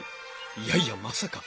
いやいやまさか。